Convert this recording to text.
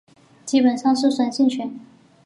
基本上是酸性泉。